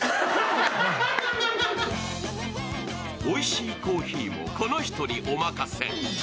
おいしいコーヒーもこの人にお任せ。